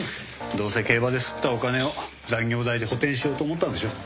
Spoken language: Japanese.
どうせ競馬ですったお金を残業代で補填しようと思ったんでしょ。